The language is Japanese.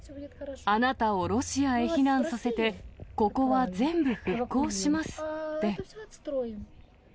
あなたをロシアへ避難させて、ここは全部復興しますって。